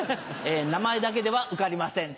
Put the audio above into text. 名前だけでは受かりません。